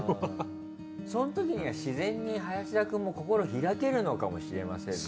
そんときには自然に林田くんも心開けるのかもしれませんね。